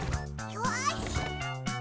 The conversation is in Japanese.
よし！